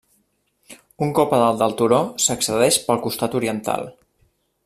Un cop a dalt del turó, s'accedeix pel costat oriental.